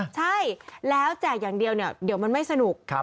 ใช่แล้วแจกอย่างเดียวเดี๋ยวมันไม่สนุก